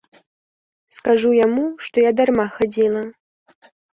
Скажы яму, што я дарма хадзіла.